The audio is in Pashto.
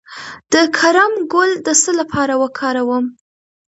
د کرم ګل د څه لپاره وکاروم؟